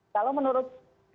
kalau menurut buku